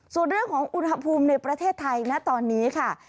ส่วนเรื่องของอุณหภูมิในประเทศไทยนะตอนนี้ค่ะ